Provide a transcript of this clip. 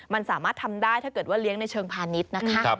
มันสามารถทำได้ถ้าเกิดว่าเลี้ยงในเชิงพาณิชย์นะคะ